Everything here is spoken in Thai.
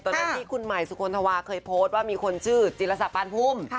ตอนนั้นที่คุณใหม่สุคลธวาเคยโพสต์ว่ามีคนชื่อจิลศักดิ์ปานพุ่ม